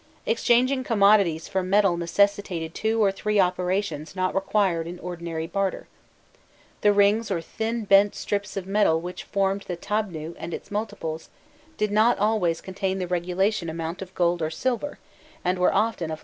Exchanging commodities for metal necessitated two or three operations not required in ordinary barter. The rings or thin bent strips of metal which formed the "tabnû" and its multiples,* did not always contain the regulation amount of gold or silver, and were often of light weight.